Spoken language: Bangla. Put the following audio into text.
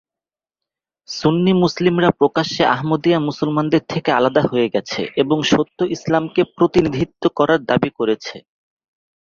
সুন্নি মুসলিমরা প্রকাশ্যে আহমদীয়া মুসলমানদের থেকে আলাদা হয়ে গেছে এবং সত্য ইসলামকে প্রতিনিধিত্ব করার দাবি করেছে।